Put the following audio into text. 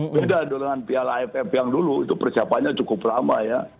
beda dengan piala aff yang dulu itu persiapannya cukup lama ya